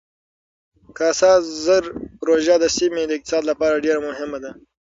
کاسا زر پروژه د سیمې د اقتصاد لپاره ډېره مهمه ده.